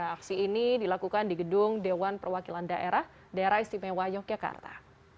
aksi ini dilakukan di gedung dewan perwakilan daerah daerah istimewa yogyakarta